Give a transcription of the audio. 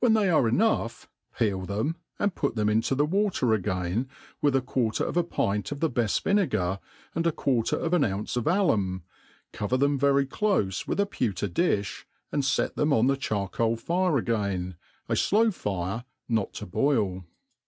When they are enough peel them, and put them into the water again, with a quarter of a pint of the beft vinegar, and a quarter of an ounce of alum, cover them very clofe with a pewter difh, and fet them on the charcoal fire again, a flow fire, not to boil.